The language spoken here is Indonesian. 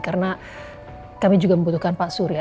karena kami juga membutuhkan pak surya